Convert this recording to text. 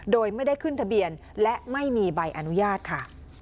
โดยไม่ได้ขึ้นทะเบียนและไม่มีใบอนุญาตค่ะ